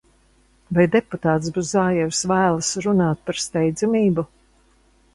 Vai deputāts Buzajevs vēlas runāt par steidzamību?